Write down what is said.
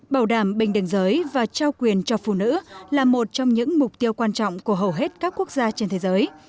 bảo đảm bình đẳng giới và trao quyền cho phụ nữ là một trong những mục tiêu quan trọng của hầu hết các quốc gia trên thế giới